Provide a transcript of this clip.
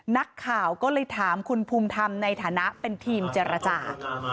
นักข่าวก็เลยถามคุณภูมิธรรมในฐานะเป็นทีมเจรจา